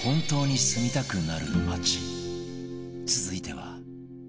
続いては